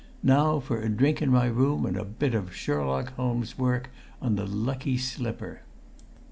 Now for a drink in my room and a bit of Sherlock Holmes' work on the lucky slipper!"